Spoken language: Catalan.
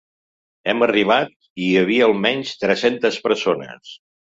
Hem arribat i hi havia almenys tres-centes persones.